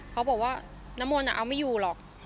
เขาบอกว่าน้ำมนต์เอาไม่อยู่หรอก